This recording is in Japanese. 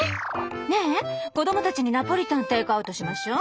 ねえ子どもたちにナポリタンテイクアウトしましょう。